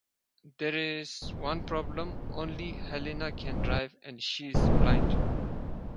There's one problem: Only Helene can drive, and she's blind.